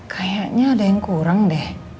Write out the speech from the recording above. kayaknya ada yang kurang deh